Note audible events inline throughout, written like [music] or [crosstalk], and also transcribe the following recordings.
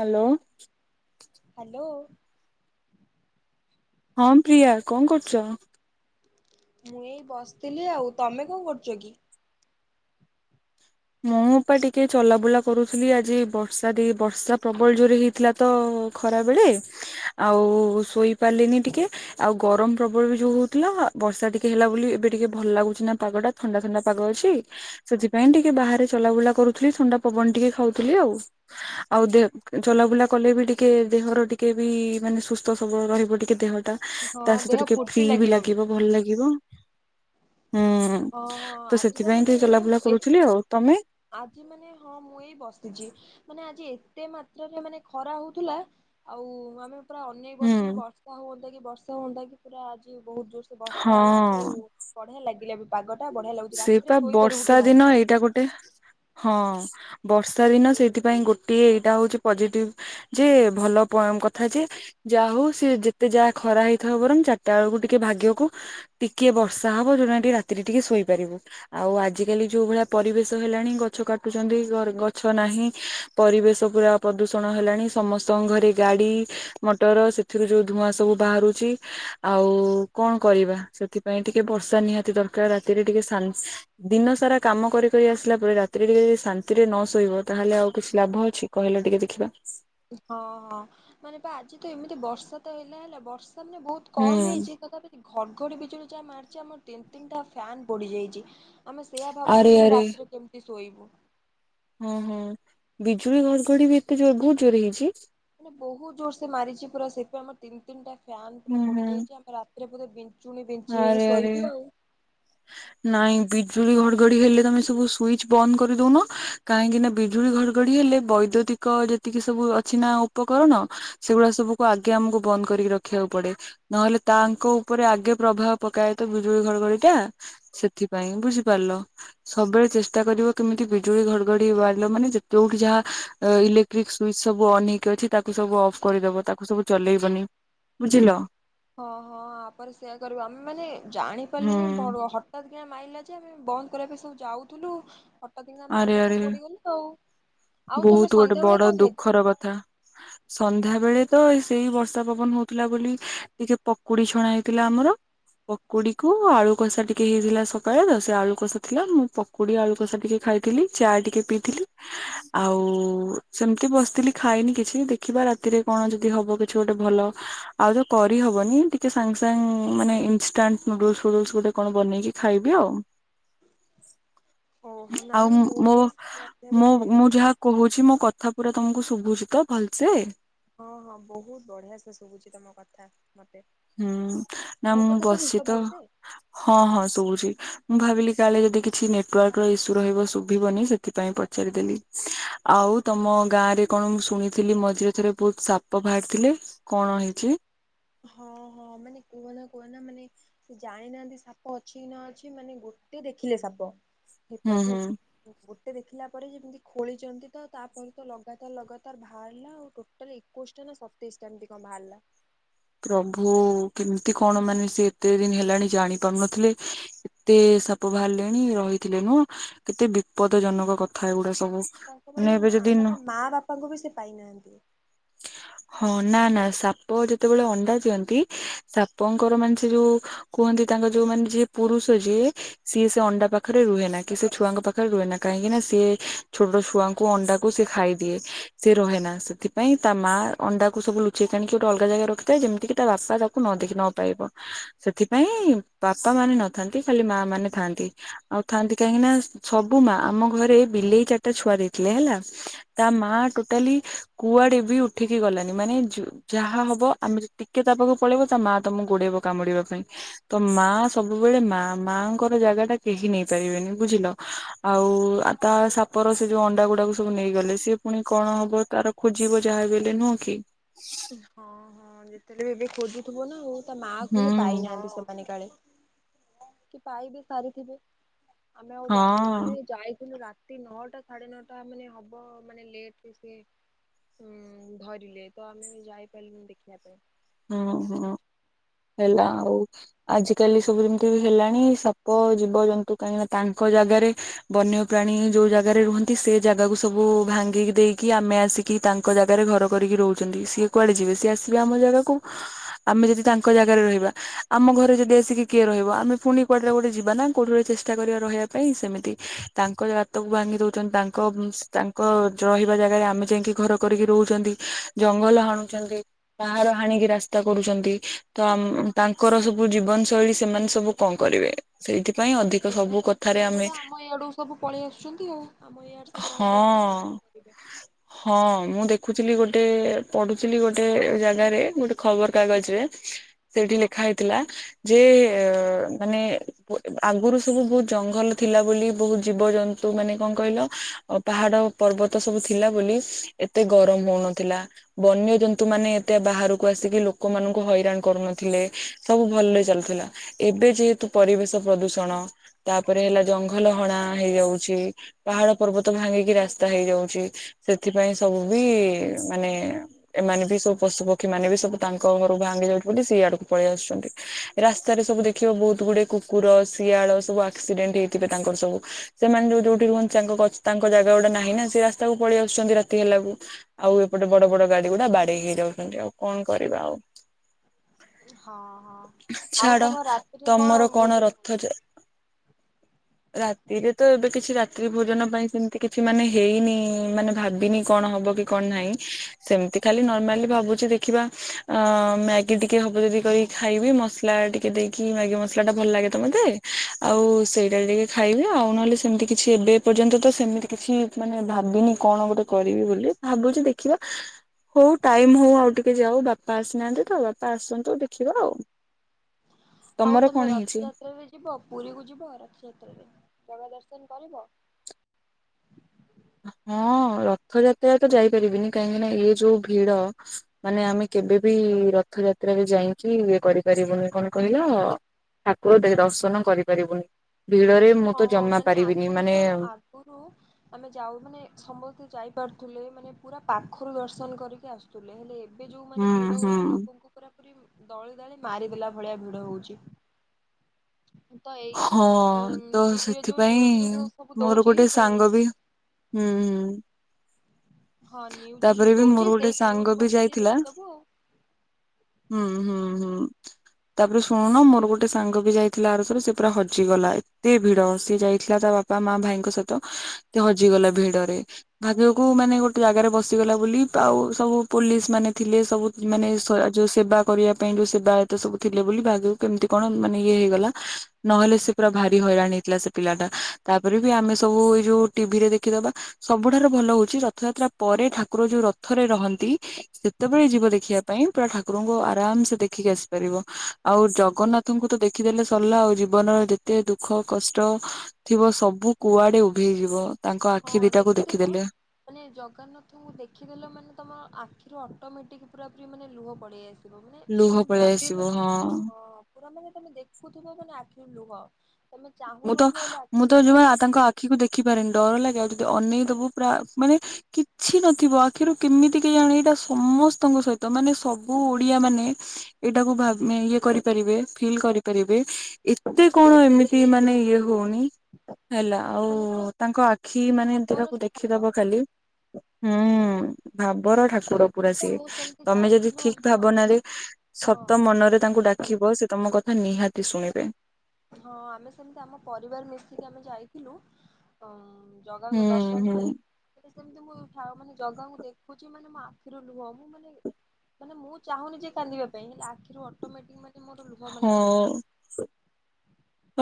Hello. [inaudible] ହଁ ପ୍ରିୟା କଣ କରୁଚ? ମୁଁ ଏଇ ବସିଥିଲି ଆଉ ତମେ କଣ କରୁଚ କି? ମୁଁ ପା ଟିକେ ଚଲାବୁଲା କରୁଥିଲି ଆଜି ବର୍ଷା ଦେଇ ବର୍ଷା ପ୍ରବଳ ଜୋରରେ ହେଇଥିଲା ତ ଖରା ବେଳେ ଆଉ ଶୋଇ ପାରିଲିନି ଟିକେ ଆଉ ଗରମ ପ୍ରବଳ ବି ଯୋଉ ହଉଥିଲା ବର୍ଷା ଟିକେ ହେଲା ବୋଲି ଏବେ ଟିକେ ଭଲ ଲାଗୁଛି ନା ପାଗ ଟା ଥଣ୍ଡା ଥଣ୍ଡା ପାଗ ଅଛି ସେଥିପାଇଁ ଟିକେ ଟିକେ ବାହାରେ ଚଲାବୁଲା କରୁଥିଲି ଥଣ୍ଡା ପବନ ଟିକେ ଖାଉଥିଲି ଆଉ ଆଉ ଦେ ଚଲାବୁଲା କଲେ ବି ଟିକେ ଦେହର ଟିକେ ବି ମାନେ ସୁସ୍ଥ ସବଳ ରହିବ ଟିକେ ଦେହ ଟା ହଁ ଦେହ ସହିତ ଟିକେ ଫୁର୍ତ୍ତି ଫ୍ରି ବି ଲାଗିବ ଭଲ ଲାଗିବ। ହୁଁ ଓହ ଆଜି ତ ସେଥିପାଇଁ ମାନେ ଟିକେ ଚଲାବୁଲା ଅମ ଏ କରୁଥିଲି ଆଉ ତମେ? ଆଜି ମାନେ ହଁ ମୁଁ ଏଇ ବସିଛି ମାନେ ଆଜି ଏତେ ମାତ୍ରାରେ ମାନେ ଖରା ହଉଥିଲା ଆଉ ଆମେ ପୁରା ଅନେଇକ ହୁଁ ବସିଥିଲୁ ବର୍ଷା ହୁଅ କି ବର୍ଷା ହୁଅନ୍ତା କି ପୁରା ଆଜି ବହୁତ ଜୋରସ ବର୍ଷା ହେଲା ଆଉ ବଢିଆ ଲାଗିଲା ବି ପାଗଟା ବଢିଆ ଲାଗୁଛି ସେ ରାତିରେ ପା ଶୋଇପାରିବୁ ବର୍ଷା ଟିକେ ଦିନ ଭଲସେ। ଏଇଟା ଗୋଟେ ହଁ। ବର୍ଷା ଦିନ ସେଇଥିପାଇଁ ଗୋଟଏ ଏଇଟା ହଉଛି ପଜିଟିଭ ଯେ ଭଲ ପ କଥା ଯେ ଯାହା ହଉ ସେଏ ଯେତେ ଯାହା ଖରା ହେଇଥାଉ ବରଂ ଚାରିଟା ବେଳକୁ ଟିକେ ଭାଗିବାକୁ ଟିକିଏ ବର୍ଷା ହ ହବ ଯୋଉଁଥିପାଇଁ ଟିକେ ରାତି ରେ ଟିକେ ଶୋଇପାରିବୁ ଆଉ ଆଜିକାଲି ଯୋଉ ଭଳିଆ ପରିବେଶ ହେଲାଣି ଗଛ କାଟୁଚନ୍ତି ଗଛ ନା ହିଁ ପରିବେଶପୁରା ପ୍ରଦୂଷଣ ହେଲାଣି ସମସ୍ତଙ୍କ ଘରେ ଗାଡି ମଟର ଯୋଉ ଧୂଆଁ ସବୁ ବାହାରୁଛି ଆଉ କଣ କରିବା ସେଥିପାଇଁ ଟିକେ ବର୍ଷା ନିହାତି ଦରକାର ରାତିରେ ଟିକେ ଦିନ ସାରା କାମ କରି କରି ଆସିଲା ପରେ ରାତିରେ ଟିକେ ଯଦି ଶାନ୍ତିରେ ନ ଶୋଇବ ତା ତାହେଲେ ଆଉ କିଛି ଲାଭ ଅଛି କହିଲେ ଟିକେ ଦେଖିବା ହଁ ହଁ ମାନେ ବା ଆଜି ତ ଏମିତି ବର୍ଷା ତ ହେଲା ହେଲା ବର୍ଷ ମାନେ ବହୁତ କମ ହୁଁ ହେଇଚି ତଥାପି ଘଡଘଡି ବିଜୁଳି ଯାହା ମାରିଚି ଆମର ତିନି ତିନିଟା ଫ୍ୟାନ ପୋଡିି ଯାଇଚି। ଆମେ ସେଆ ଆରେ ଭାବୁଛୁ ମାନେ ଆରେ ରାତିରେ କେମିତି ଶୋଇବୁ? ହଁ ହଁ ବିଜୁଳି ଘଡଘଡି ବି ଏତେ ଜୋର ବହୁତ ଜୋରରେ ହେଇଚି। ମାନେ ବହୁତ ଜୋର ସେ ମାରିଛି ପୁରା ସେଥିପାଇଁ ଆମର ତିନି ତିନିଟା ଫାନ ପୁରା ହୁଁ ହୁଁ ପୋଡିଯାଇଛି ଆମ [unintelligible] ଆରେ ଆରେ ନାଇଁ ବି ବିଜୁଳି ଘଡ଼ଘଡ଼ି ହେଲେ ସବୁ ସୁଇଚ ବନ୍ଦ କରିଦଉନ କାହିଁକି ନା ବିଜୁ ଘଘ ହେଲେ ବୈଦୁ ଯେତିକି ସବୁ ଅଛି ନା ଉପକରଣ ସେଗୁଡା ସବୁକୁ ଆଗେ ଆମକୁ ବନ୍ଦ କରିକି ରଖିବାକୁ ପଡେ। ନହେଲେ ତାଙ୍କ ଉପରେ ଆଗେ ପ୍ରଭାବ ପକାଏ ତ ବିଜୁଳି ଘଡ଼ଘଡି ଟା ସେଥିପାଇଁ ବୁଝିପାରିଲ ସବୁବେଳେ ଚେଷ୍ଟା କରି କେମିତି ବିଜୁଳି ଘଡଘଡି ୱାରଲ ମାନେ ଯେ ଯୋଉଠି ଯାହା ଇଲେକ୍ଟ୍ରି ସ୍ଵିଚ ସବୁ ଅନ୍ ହେଇକି ଅଛି ତା ତାକୁ ସବୁ ଅଫ୍ କରିଦବ ତାକୁ ସବୁ ଚଲେଇବନି ବୁଝିଲ। ହଁ ହଁ ତାପରେ ସେଇୟା କରିବୁ ଆମେ ମାନେ ହୁଁ ଜାଣିପାରିଲୁନି ବ ହଠାତ୍ ମାଇଲା ଯେ ଆମେ ବନ୍ଦ କରିବା ପାଇଁ ସବୁ ଯାଉଥିଲୁ ହଟୋ ଦା ଆରେ ମାରିଲା ତ ଆରେ ପଡିଗଲୁ ଆଉ ଆଉ ତମେ ବହୁତ ଗୋଟେ ସନ୍ଧ୍ୟାବେଳେ ବଡ କଣ ଖାଇଥିଲ? ଦୁଃଖର କଥା ସନ୍ଧ୍ୟା ବେଳେ ତ ସେଇ ବର୍ଷା ପବନ ହଉଥିଲା ବୋଲି ଟିକେ ପକୁଡି ଛଣା ହେଇଥିଲା ଆମର ପକୁଡି କୁ ଆଳୁ କଷା ଟିକେ ହେଇଥିଲା ସକାଳେ ତ ସେ ଆଳୁ କଷା ଥିଲା ମୁ ପକୁଡି ଆଳୁ କଷା ଟିକେ ଖାଇଥିଲି ଚା ଟିକେ ପିଇଥିଲି। ଆଉ ସେମିତି ବସିଥିଲି ଖାଇନି କିଛି ଦେଖିବା ରାତିରେ କଣ ଯଦି ହବ କିଛି ଗୋଟେ ଭଲ ଆଉ ତ କରିହବନି ଟିକେ ସାଙ୍ଗ ସାଙ୍ଗ ମାନେ ଇନାଣ୍ଟ ନୁଡୁଲସ ଫୁଡୁଲସ ଗୋଟେ କଣ ବନେଇକି ଖାଇବି ଆଉ। ଓହୋ ନା ଆଉ ମୁଁ ମୋ ବି ଏଇ ମୁଁ ସନ୍ଧ୍ୟାବେଳେ ମୁଁ ଯାହା କହୁଚି ମୋ କଥା କଥା ପୁରା ତମକୁ ଶୁଭୁଚି ତ ଭଲସେ? ହଁ ହଁ ବହୁତ ବଢିଆ ସେ ଶୁଭୁଚି ତମ କଥା ମତେ। ହୁଁ ନା ମୋ ମୁଁ କଥା ଶୁଭୁଛି ବସି ତ ଭଲସେ? ହଁ ହଁ ଶୋଉଚି। ମୁଁ ଭାବିଲି କାଳେ ଯଦି କିଛି ନେଟୱାର୍କ ର ଇସ୍ୟୁ ରହିବ ଶୁଭିବନି ସେଥିପାଇଁ ପଚାରିଦେଲି ଆଉ ହଉ ତମ ଗାଁ ରେ କଣ ମୁଁ ଶୁଣିଥିଲି ମଝିରେ ଥରେ ବହୁତ ସାପ ବାହାରି ଥିଲେ କଣ ହେଚି? ହଁ ହଁ ମାନେ କୁହନା କୁହନା ମାନେ ସେ ଜାଣିନାହାନ୍ତି ସାପ ଅଛି କି ନ ଅଛି ମାନେ ଗୋଟେ ଗୋତେ ଦେଖିଲେ ସାପ ହେ ହୁଁ ପ୍ରଭୁ ହୁଁ ଏ ଦେଖିଲା ପରେ ଯେମିତି ଖୋଳିଛନ୍ତି ତ ତାପରେ ତ ଲଗାତାର ଲଗାତାର ବାହାରିଲା ଆଉ ଟୋଟାଲ ଏକୋଇଶଟା ସତେଇଶ ଟା ଏମିତି କଣ ବାହାରିଲା। ପ୍ରଭୁ କେମିତି କଣ ମାନେ ସେ ଏତେ ଦିନ ହେଲାଣି ଜାଣି ପାରୁନଥିଲେ ଏତେ ପ ବାହାରିଲେଣି ରହିଥିଲେ ନୁଁ କେତେ ବିପଦ ଜନକ କଥା ଏଗୁଡା। ସବୁ। ତାଙ୍କ ମାନେ ଏବେ ନା ଯଦି ନ ତାଙ୍କ ମା ବାପାଙ୍କୁ ବି ସେ ପାଇନାହାନ୍ତି। ହଁ ନା ନା ସାପ ଯେତେବେଳେ ଅଣ୍ଡା ଦିଅନ୍ତି ସାପଙ୍କର ମାନେ ସେ ଯୋଉ କୁହନ୍ତି ତାଙ୍କ ଯୋଉ ମାନେ ଯିଏ ପୁରୁଷ ଯିଏ ସିଏ ସେ ଅଣ୍ଡା ପାଖରେ ରୁହେ ନା କି ସେ ଛୁଆଙ୍କ ପାଖରେ ରୁହେ ନା କାହିଁକି ସ ଛୋଟ ଛୁଆଙ୍କୁ ଅଣ୍ଡା କୁ ସେ ଖାଇଦିଏ ସେ ରହେନା ସେଥିପାଇଁ ତା ମା ଅଣ୍ଡା କୁ ସବୁ ଲୁଚେଇ କଣି ଗୋଟେ ଅଲଗା ଜାଗା ଏ ଯେମିତିକି ତା ବାପା ତାକୁ ନ ଦେଖି ନ ପାଇବ ସେଥିପାଇଁ ବାପା ମାନେ ନଥାନ୍ତି ଖାଲି ମା ମା ମାନେ ଥାନ୍ତି ଆଉ ଥାଆନ୍ତି କାହିଁକି ନା ସବୁ ମା ଆମ ଘରେ ବିଲେଇ ଚାରିଟା ଛୁଆ ଦେଇଥିଲେ ହେଲା ତା ମା ଟୋଟାଲି କୁଆଡେ ବି ଉଠିକି ଗଲାନି ମାନେ ଜ ଯାହା ହବ ଆମେ ଯେ ଟିକେ ତା ପାଖକୁ ପଳେଇବ ତା ମା ତମକୁ ଗୋଡେଇବ କାମୁଡିବା ପାଇଁ ତ ମା ସବୁବେଳେ ମା ମା ଙ୍କର ଜାଗା ଟା କେହି ନେଇ ପାରିବେନି ବୁଝିଲ ଆଉ ତା ସାପ ର ସେ ଯୋଉଁ ଅଣ୍ଡା ଗୁଡା ସବୁ ନେଇଗଲେ ସିଏ ପୁଣି କଣ ହବ ତାର ଖୋଜିବ ଯାହା ହେଲେ ନୁହଁ କି? ହଁ ହଁ ଯେତେବେଳେ ବି ଏବେ ଖୋଜୁଥିବ ନା ଆଉ ତା ମା ହୁଁ କହିଲେ ପାଇନାହାନ୍ତି ସେମାନେ କାଳେ କି ପାଇ ବି ସାରିଥିବେ ଆମେ ଆଉ ହଁ ଜାଣିନୁ ଆମେ ଯାଇଥିଲୁ ରାତି ନଅଟା ସାଢେ ନଅଟା ମାନେ ହବ ମାନେ ଲେଟ ସିଏ ହୁଁ ଧରିଲେ ତ ଆମେ ଯାଇପାରିଲୁୁ ଦେଖିବା ପାଇଁ। ହଁ ହଁ। ହେଲା ଆଉ ଆଜିକାଲି ସବୁ ଯେମିତି ହେଲାଣି ସାପ ଜୀବଜନ୍ତୁ କାହିଁକି ନା ତାଙ୍କ ଜାଗାରେ ବନ୍ୟ ପ୍ରାଣୀ ଯୋଉଁ ଜାଗାରେ ରୁହନ୍ତି। ସେ ଜାଗାକୁ ସବୁ ଭାଙ୍ଗି ଦେଇକି ଆମେ ଆସ ତାଙ୍କ ଜାଗାରେ ଘର କରିକି ରହୁଛନ୍ତି। ସିଏ କୁଆଡେ ଯିବେ ସିଏ ଆସିବେ ଆମ ଜାଗାକୁ ଆମେ ଯଦି ତାଙ୍କ ଜାଗାରେ ରହିବା ଆମ ଘରେ ଯଦି ଆସି କିଏ ରହିବ ଆମେ ପୁଣି କୁଆଡେ ଗୋଟେ ଯିବା ନା କୋଉଁଠି ଚେଷ୍ଟା କରିବା ରହିବା ପାଇଁ ସେମିତି ତାଙ୍କ ଭାଙ୍ଗି ଦେଉଚନ୍ତି ତାଙ୍କ ତାଙ୍କ ରହିବା ଆମେ ଯାଇକି ଘର କରିକି ରହୁଛନ୍ତି। ଜଙ୍ଗଲ ହାଣୁଚନ୍ତି ପାହାଡ଼ ହାଣିକି ରାସ୍ତା କରୁଛନ୍ତି। ତ ତାଙ୍କର ସବୁ ଜୀବନ ଶୈଳୀ ସେମାନେ ସବୁ କଣ କରିବେ ସେଇଥି ସେମାନେ ସେଥିପାଇଁ ବୋଧେ ଆମ ଇଆଡୁ ସବୁ ପଳେଇ ଆସୁଛନ୍ତି। ଆଉ ଆମ ଇଆଡେ ସବୁ ହଁ ରହିଯାଉଛନ୍ତି। [inaudible] ହଁ ମୁଁ ଦେଖୁଥିଲି ଗୋଟେ ପଢୁଥିଲି ଗୋଟେ ଜାଗାରେ ଗୋଟେ ଖବର କାଗଜ ରେ ସେଇଠି ଲେଖା ହେଇଥିଲା ଯେ ମାନେ ଆଗରୁ ସବୁ ବହୁତ ଜଙ୍ଗଲ ଥିଲା ବୋଲି ବହୁତ ଜୀବଜନ୍ତୁ ମାନେ କଣ କହିଲ ପାହାଡ ପର୍ବତ ସବୁ ଥିଲା ବୋଲି ଏତେ ଗରମ ହଉନଥିଲା ବନ୍ୟଜନ୍ତୁ ମାନେ ଏତେ ବାହାର ଆସିକି ଲୋକଙ୍କୁ ହଇରାଣ କରୁ ନଥିଲେ ସବୁ ଭଲରେ ଚାଲୁଥିଲା ଏବେ ଯେହେତୁ ପରିବ ପ୍ରଦୂଷଣ ତାପରେ ହେଲା ଜଙ୍ଗଲ ହଣା ହେଇଯାଉଛି ପାହାଡ ପର୍ବତ ଭାଙ୍ଗିକି ରାସ୍ତା ହେଇଯାଉଛି ସେଥିପାଇଁ ସବୁ ବି ମାନେ ଏମାନେ ବି ସବୁ ପଶୁକ୍ଷୀ ପକ୍ଷୀ ମାନେ ବି ସବୁ ତାଙ୍କ ଘର ଭାଙ୍ଗି ଯାଉଛନ୍ତି ବୋଲି ସେଇ ଆଡକୁ ପଳେଇ ଆସୁଛନ୍ତି ରାସ୍ତାରେ ସବୁ ଦେଖିବ ବହୁତ ଗୁଡ଼େ କୁକୁର ଶିଆଳ ସବୁ ଆକ୍ସିଡେଣ୍ଟ ହେଇଥିବେ। ତାଙ୍କର ସବୁ ସେମାନେ ଯୋଉ ଯୋଉଠି ରୁହନ୍ତି। ତାଙ୍କ ଗଛ ତାଙ୍କ ଜାଗା ଟେ ନାହିଁ ନା ସେ ରାସ୍ତାକୁ ପଳେଇ ଆସୁଛନ୍ତି। ରାତି ହେଲାକୁ ଆଉ ଏପଟେ ବଡ ବଡ ଗାଡି ଗୁଡା ବାଡେଇ ହେଇଯାଉଛନ୍ତି। ଆଉ କଣ କରିବା ଆଉ ହଁ ହଁ। ଆଉ ଛାଡ ତମ ରାତିରେ ତମର କଣ ଭୋଜନ ରଥ ହଉଛି? ରାତିରେ ତ ଏବେ କି କିଛି ରାତ୍ରି ଭୋଜନ ପାଇଁ ସେମିତି କିଛି ମାନେ ହେଇନି ମାନେ ଭାବିନି କଣ ହବ କି କଣ ନାହିଁ ସେମିତି ଖାଲି ନର୍ମାଲି ଭାବୁଛି ଦେଖ ଦେଖିବା ମ୍ୟାଗି ଟିକେ ହବ ଯଦି କର ଖାଇବି ମସଲା ଟିକେ ଦେଇକି ମ୍ୟାଗି ମସଲା ଟା ଭଲ ଲାଗ ତମତେ ଆଉ ସେଇଟା ଟିକେ ଖାଇବି ଆଉ ନହେଲେ ସେମିତି କିଛି ଏବେ ପର୍ଯ୍ୟନ୍ତ ତ ସେମିତି କିଛି ମାନେ ଭାବିନି କଣ ଗୋଟେ କରିବି ବୋଲି ଭାବୁଛି ଦେଖିବା ହଉ ଟାଇମ ହଉ ଆଉ ଟିକେ ଟିକେ ଯାଉ ବାପା ଆସିନାହାନ୍ତି। ତ ବାପା ଆସନ୍ତୁ ଦେଖିବା ଆଉ। ଆଉ ତମର ତମେ କଣ ହେଇଛି? ରଥଯାତ୍ରାରେ ଯିବ ପୁରୀ କୁ ଯିବ ରଥଯାତ୍ରାରେ ଜଗା ଦ ଦର୍ଶନ କରିବ? ହଁ। ହଁ ରଥଯାତ୍ରା ତ ଯାଇପାରିବିନି କାହିଁକି ନା ଏଇ ଯୋଉଁ ଭିଡ ମାନେ ଆମେ କେବେ ବିି ରଥଯାତ୍ରାରେ ଯାଇକି ଇଏ କରିପାରିବୁନି କଣ କହିଲ ଠାକୁର ଦେ ଦର୍ଶନ କରିପାରିବୁନି। ଭିଡରେ ମୁଁ ତ ହଁହୋ ଜମା ମାନେ ପାରିବିନି ଆଗରୁ ମାନେ ତ ଆଗରୁ ଆମେ ଯାଉଁ ମାନେ ସମସ୍ତେ ଯାଇପାରୁଥିଲେ ମାନେ ପୁରା ପାଖରୁ ଦର୍ଶନ କରିକି ଆସୁଥିଲେ। ହେଲେ ଏବେ ଯୋଉଁ ମାନେ ହୁଁ ଭିଡ ହୁଁ। ହଉଠି ଲୋକଙ୍କୁ ପୁରା ଦଳି ଦଳି ମାରିଦେଲା ଭଳିଆ ଭିଡ ହଉଛି। ତ ଏଇ ହଁ ଉ ତ ସେଥିପାଇଁ ମୋର ଗୋଟେ ସେ ସାଙ୍ଗ ବି ହୁଁ ହୁଁ। ହଁ ନିୁଜ ଯୋଉଁ ତାପରେ ବି ମୋର ଦଉଛି ଗୋଟେ ସେଇ ସାଙ୍ଗ ନ୍ୟୁଜ ବି ବସିକି ଯାଇଥିଲା ଦେଖିଦବୁ ଆଉ ହୁଁ ହୁଁ ହୁଁ ତାପରେ ଶୁଣୁନ ମୋର ଗୋଟେ ସାଙ୍ଗ ବି ଯାଇଥିଲା ଆରଥରକ ସେ ପୁରା ହଜିଗଲା ଏତେ ଭିଡ ସିଏ ଯାଇଥିଲା। ତା ବାପା ମା ଭାଇଙ୍କ ସହିତ ସେ ହଜିଗଲା ଭିଡରେ ଭାଗ୍ୟକୁ ମାନେ ଗୋଟେ ଜାଗାରେ ବସିଗଲା ବୋଲି ଆଉ ସବୁ ପୋଲିସ ମାନେ ଥିଲେ ସବୁ ମାନେ ଯୋଉ ସେବା କରିବା ପାଇଁ ଯୋଉ ସେବାୟତ ସବୁ ଥିଲେ ବୋଲି ଭାବିବ କେମିତି କଣ ମାନେ ଇଏ ହେଇଗଲା। ନହେଲେ ସେ ପୁରା ଭାରି ହଇରାଣ ହେଇଥିଲା ସେ ପିଲାଟା ତାପରେ ବି ଆମେ ସବୁ ଏଇ ଯୋଉ ଟିଭି ରେ ଦେଖିଦବା। ସବୁଠାରୁ ଭଲ ହଉଚି ରଥଯାତ୍ରା ପରେ ଠାକୁର ଯୋଉ ରଥରେ ରହନ୍ତି ସେତେବେଳେ ଯିବ ଦେଖିବା ପାଇଁ ପୁରା ଠାକୁରଙ୍କୁ ଆରାମ ସେ ଦେଖିକି ଆସି ପାରିବ ଆଉ ଜଗନ୍ନାଥଙ୍କୁ ତ ଦେଖିଦେଲେ ସରଲା ଆଉ। ଜୀବନର ଯେତେ ଦୁଃଖ କଷ୍ଟ ଥିବ ସବୁ କୁଆଡେ ଉଭେଇଯିବ। ତାଙ୍କ ହଁ ଆଖି ଦିଟାକୁ ଦେଖିଥିବ ଦେଖିଦେଲେ ମାନେ ଜଗନ୍ନାଥଙ୍କୁ ଦେଖିଦେଲେ ମାନେ ତମ ଆଖିରୁ ଅଟୋମେଟିକ ପୂରା ପୁରୀ ମାନେ ଲୁହ ପଳେଇ ମାନେ ଲୁହ ତମେ ପଳେଇ ଭାବ ଆସିବ ମାନେ ହଁ। ପୁରା ମାନେ ତମେ ଦେଖୁଥିବ ମାନେ ଲୁହ ତମେ ମୁଁ ତ ଚାହୁଁନଥିବ ହେଲେ ମୁଁ ଆଖିରୁ ତ ଲୁହ ଯୋଉ ତାଙ୍କ ଆଖିକୁ ଦେଖିପାରେନି ଡର ଲାଗେ। ଅନେଇଦବୁ ପୁରା ମାନେ କିଛି ନଥିବ ଆଖିରୁ କେମିତି କେହି ଜାଣେ ଏଇଟା ସମସ୍ତଙ୍କ ତ ମାନେ ସବୁ ଓଡିଆ ମାନେ ଏଇଟାକୁ ଭା ଇଏ କରିପାରିବେ ଫିଲ୍ କରିପାରିବେ। ଏତେ କଣ ଏମିତି ମାନେ ଇଏ ହଉନି। ହେଲା ଆଉ ମାନେ ପୁରା ତାଙ୍କ ଆଖି ମାନେ ଭାବର ଦେହକୁ ସେ ଦେଖିଦବ ମାନେ ଖାଲି ହୁଁ ଭାବର ଠାକୁର ପୁରା ସିଏ ମୁଁ ସେମିତି ତମେ ଯଦି ଯାଇଥିଲୁ ଠିକ ଆମ ଭାବନାରେ ସତ ହଁ ମନରେ ତାଙ୍କୁ ଡାକିବ ସେ ତମ କଥା ନିହାତି ଶୁଣିବେ। ହଁ ଆମେ ସେମିତି ଆମ ପରିବାର ମିଶିକି ଆମେ ଯାଇଥିଲୁ ଅ ହୁଁ ଜଗାଙ୍କ ଦର୍ଶନ ହୁଁ ପାଇଁ ସେମିତି ମୁଁ ଠା ମାନେ ଜଗାଙ୍କୁ ଦେଖୁଛି ମାନେ ମୋ ଆଖିରୁ ଲୁହ ମୁଁ ମାନେ ମାନେ ମୁଁ ଚାହୁଁନି ଯେ କାନ୍ଦିବା ପାଇଁ ହେଲେ ଆଖିରୁ ଅଟୋମେଟିକ ମାନେ ମୋର ଲୁହ ମାନେ ପଳେଇ ହଉ।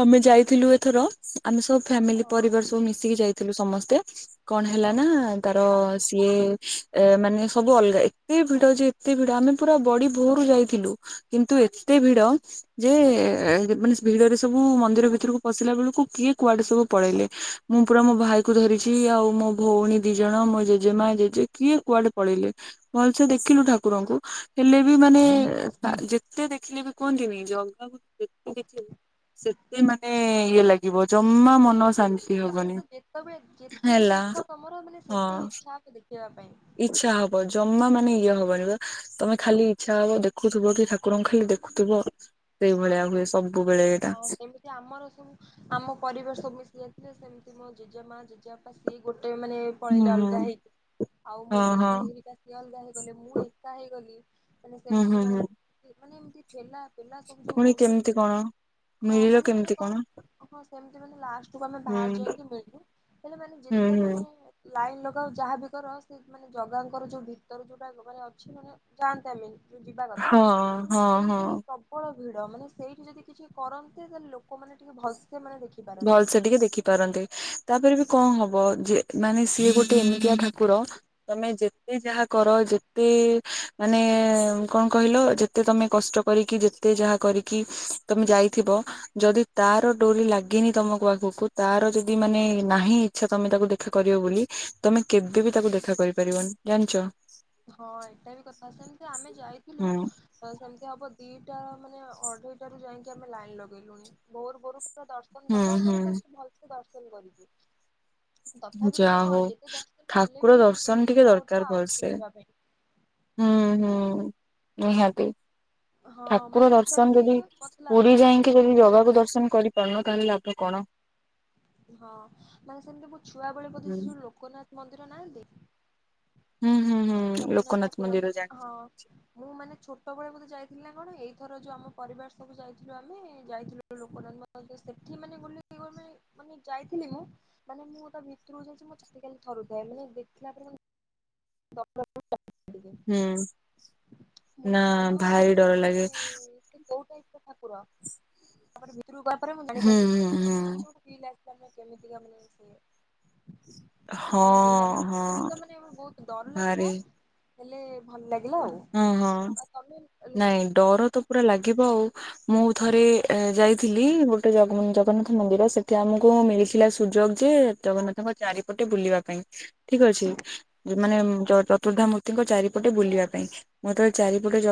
ଆମେ ଯାଇଥିଲୁ ଆସୁ। ଏଥର ଆମେ ସବୁ ଫ୍ୟାମିଲି ହଁ ପରିବାର ସବୁ ମିଶିକି ଯାଇଥିଲୁ ସମସ୍ତେ କଣ ହେଲା ହଁ ନା ତାର ସିଏ ମାନେ ସବୁ ଅଲଗା ଏତେ ଭିଡ ଯେ ଏତେ ଭିଡ ଆମେ ପୁରା ବଡି ଭୋରୁ ଯାଇଥିଲୁ। କିନ୍ତୁ ଏତେ ଭିଡ ଯେ ମାନେ ଭିଡ ମନ୍ଦିର ଭିତକୁ ପଶିଲା ବେଳକୁ କିଏ କୁଆଡେ ସବୁ ପଳେଇଲେ ମୁଁ ପୁରା ମୋ ଭାଇକୁ ଧରିଛି ଆଉ ମୋ ଭଉଣୀ ଦି ଜଣ ମୋ ଜେଜେ ମା ଜେଜେ କିଏ କୁଆଡେ ପଳେଇଲେ ଭଲସେ ଦେଖିଲୁ ଠାକୁରଙ୍କୁ। ହେଲେ ବି ମାନେ ତା ଯେତେ ଦେଖିଲେ ବି କୁହନ୍ତିନି ଜଗାକୁ ଯେ ଦେଖିଲେବି ସେତେ ମାନେ ଇଏ ଲାଗିବ ଜମା ମନସ ମାନେଲେ ତ ଯେତେବେଳେ ଯେତେ ବି ହେଲା ଦେଖ ତମର ମାନେ ସେତେ ଇଛା ହବ ଦେଖିବା ପାଇଁ। ଇଛା ହବ ଜମା ମାନେ ଇଏ ହବନି ବା ତମେ ଖାଲି ଇଛା ହବ ଦେଖୁଥିବ କି ଠାକୁରଙ୍କୁ ଦେଖୁଥିବ ସେଇଭଳିଆ ହୁଏ ସ ହଁ ସେମିତି ଆମର ସବୁ ଆମ ପରିବାର ସବୁ ମିଶ ଯାଇଥିଲେ ସେମିତି ଜେଜେମା ଜେଜେବାପା ସିଏ ଗୋଟେ ମାନେ ହୁଁ ପଳେଇଲେ ହୁଁ। ଅଲଗା ହେଇକି। ଆଉ ମୋ ହଁ ହଁ ଦିଦି ଏଇଟା କିି ଅଲଗା ହେଇଗଲେ ମୁଁ ଏକା ହେଇଗଲି ମାନେ ହୁଁ ହୁଁ ସେମିତି ମାନେ ହୁଁ ମାନେ ଏମିତି ଠେଲା ପେଲା ସବୁ ଯୋଉ ପୁଣି ହଉଛନ୍ତି କେମିତି କଣ? ହଁ ମିଳିଲ ମାନେ ମାନେ କେମିତି କଣ ହଁ ସେମତି ମାନେ ଲାଷ୍ଟ କୁ ଆମେ ହୁଁ ବାହାର ଯାଇକି ମିଳୁ ହେଲେ ମାନେ ହୁଁ ଯେତେ ହୁଁ ମାନେ ଲାଇନ୍ ଲଗାାଉ ଯାହାବ କର ସେ ମାନେ ଜଗାଙ୍କର ଯେଉଁ ଭିତର ଯେଉଁଟା ମାନେ ଅଛି ମାନେ ଯାଆନ୍ତାମ। ଯ ଯିବା କଥା ହଁ ହଁ ହଁ। ସେଇଠି ପ୍ରବଳ ଭିଡ ମାନେ ସେଇଠି ଯଦି କିଛି କରନ୍ତି ତାହେଲେ ଲୋକମାନେ ଟିକେ ଭଲ ଭଲ ସେ ଟିକେ ଦେଖିପାରନ୍ତେ। ତାପରେ ବି କଣ ହବ ଯେ ମାନେ ସିଏ ଗୋଟେ ଏମିତିିଆ ଠାକୁର ତମେ ଯେତେ ଯାହା କର ଯେତେ ମାନେ କଣ କହିଲ ଯେତେ ତମେ କଷ୍ଟ କରିକି ଯେତେ ଯାହା କରିକି ତମେ ଯାଇଥିବ ଯଦି ତାର ଡୋରି ତମ ଆଗକୁ ତାର ଯଦି ମାନେ ନାହିଁ ଇଛା ତମେ ତାକୁ ଦେଖା କରିବ ବୋଲି ତମେ କେବେ ବି ତାକୁ ଦେଖା କରିପାରିବନି ଜାଣିଛ। ହଁ ଏଇଟା ବି କଥା ସେମିତି ଆମେ ଯାଇଥିଲୁ ହୁଁ ତ ସେମତି ହବ ଦିପ ଟା ମାନେ ଅଢେଇଟା ରୁ ଯାଇକି ଆମେ ଲାଇନ ଲଗେଇଲୁଣି ଭୋରୁ ଭୋରୁ। ପୁରା ଦର୍ଶନ ହୁଁ କଲୁ ହୁଁ ଆମର ସବଠୁ ଭଲସେ ଦର୍ଶନ କରିକି ତଥାପି ମାନେ ଯାହା ହଉ କଣ ଯେତେ ଦର୍ଶନ କଲେ ଠାକୁର ବି ଦର୍ଶନ ଟିକେ ଇଚ୍ଛା ଦରକାର ହଉଥିବ ଆଉରି ଭଲସେ ଦେଖିବି। ହୁଁ ହୁଁ ନିହାତି। ହଁ ମାନେ ଠାକୁର ମୁଁ ଦର୍ଶନ ସେମିତି ଯଦି ମତେ ଲା ପୁରୀ ହଁ ଯାଇକି ଯଦି ଜଗାକୁ ଦର୍ଶନ କରି ପାରୁନ ତା ହେଲେ ଲାଭ କଣ। ହଁ ମାନେ ସେମିତି ମୋ ଛୁଆ ବେଳେ ବୋଧେ ହୁଁ ସେ ଯୋଉ ଲୋକନାଥ ମନ୍ଦିର ନାହାନ୍ତି। ହୁଁ ହୁଁ ହୁଁ ଲୋକନାଥ ଠାକୁର ମନ୍ଦିର ମାନେ ଜାଣିଛି ହଁ ମୁଁ ମାନେ ଛୋଟବେଳେ ବୋଧେ। ଯାଇଥିଲି ନା କଣ ଏଇଥର ଯୋଉ ଆମ ପରିବାର ସବୁ ଯାଇଥିଲୁ ଆମେ ଯାଇଥିଲୁ ଲୋକନାଥ ମନ୍ଦିର ସେଠି ମାନେ ଗୋ ମାନେ ଯାଇଥିଲି ମୁଁ ମାନେ ମୁଁ ତା ଭିତରକୁ ଯାଇଛି ମୋ ଛାତି ଖାଲି ଥରୁଥାଏ ମାନେ ଦେଖିଲା ପରେ ମୁଁ। [inaudible] ହୁଁ ମୁଁ ତ ନା ମନେ ଭାରି ଡର ଲାଗେ। ସେଇ ତ ଠାକୁର ତାପରେ ଭିତରକୁ ଗଲା ପରେ ମୁଁ ହୁଁ ଜାଣିପାରିଲି ହୁଁ ମାନେ ହୁଁ ନିଜକୁ ଫିଲ ଆସିପାରୁନି। କେମିତି କା ମାନେ ସିଏ। ହଁ ହଁ। ତ ମାନେ ବହୁତ ଡର ଲାଗିଲା ହେଲେ ଭଲ ଲାଗି ହୁଁ ହଁ ନାଇଁ ଡର ତ ପୁରା ଲାଗିବ ଆଉ। ମୁଁ ଥରେ ଏ ଯାଇ ଥିଲି ଗୋଟେ ଜଗ ଜଗନ୍ନାଥ ମନ୍ଦିର ସେଠି ଆମକୁ ମିଳିଥିଲା ସୁଯୋଗ ଯେ ଜଗନ୍ନାଥଙ୍କ ଚାରିପଟେ। ଟେ ବୁଲିବା ପାଇଁ ଠିକ ଅଛି ମାନେ ଚ ଚତୁରଧା ମୂର୍ତ୍ତିଙ୍କ ଚାରିପଟେ ବୁଲିବା ପାଇଁ। ମୁଁ ଯେତେବେଳେ ଚାରିପଟେ ଜଗ